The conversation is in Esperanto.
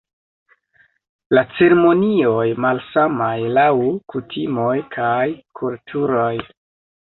La ceremonioj malsamas laŭ kutimoj kaj kulturoj.